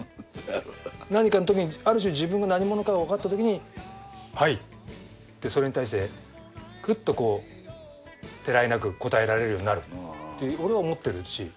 何かのときにある種自分が何者かがわかったときにはいってそれに対してクッとこうてらいなく答えられるようになるって俺は思ってるし。